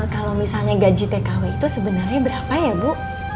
kalo misalnya gaji tkw itu sebenernya berapa ya bu